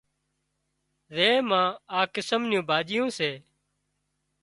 زي مان آ قسم نيون ڀاڄيون سي